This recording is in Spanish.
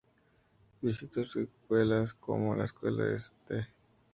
Visitó escuelas como la Escuela St.